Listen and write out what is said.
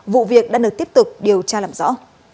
vụ việc đã được tiếp tục điều tra làm rõ